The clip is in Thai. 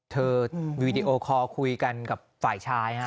วีดีโอคอลคุยกันกับฝ่ายชายฮะ